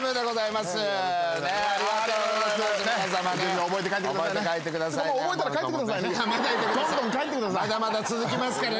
まだまだ続きますからね。